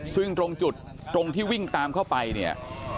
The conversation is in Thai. ซึ่งตรงจุดตรงที่วิ่งตามเข้าไปเนี่ย